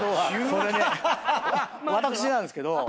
これね私なんですけど。